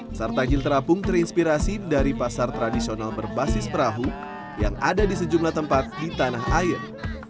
pasar takjil terapung terinspirasi dari pasar tradisional berbasis perahu yang ada di sejumlah tempat di tanah air